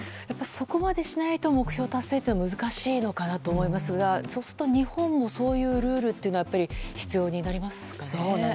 そこまでしないと目標達成は難しいのかなと思いますがそうすると日本もそういうルールというのが必要になりますかね。